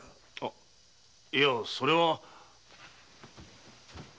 いやそれは。